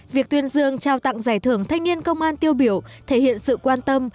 việc tuyên dương trao tặng giải thưởng thanh niên công an tiêu biểu thể hiện sự quan tâm